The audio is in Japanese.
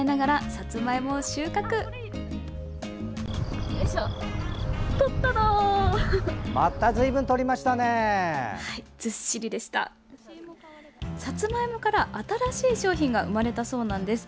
さつまいもから新しい商品が生まれたそうなんです。